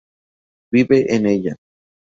Vive con ella.